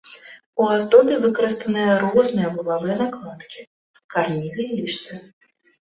У аздобе выкарыстаны разныя вуглавыя накладкі, карнізы і ліштвы.